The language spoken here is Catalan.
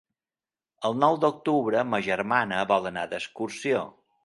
El nou d'octubre ma germana vol anar d'excursió.